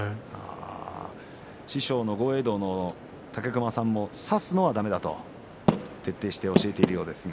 師匠の豪栄道の武隈さんも差すのはだめだと徹底して教えているようです。